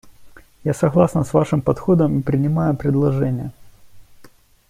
Я согласна с вашим подходом и принимаю предложение.